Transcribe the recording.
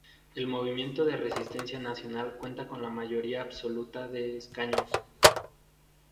El Movimiento de Resistencia Nacional cuenta con la mayoría absoluta de escaños.